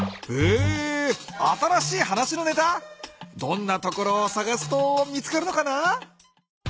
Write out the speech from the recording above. どんな所をさがすと見つかるのかな？